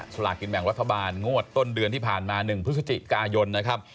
สลากินแบ่งรัฐบาลงวดต้นเดือนที่ผ่านมา๑พฤศจิกายนนะครับ